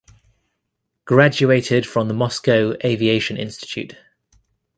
Graduated from the Moscow Aviation Institute.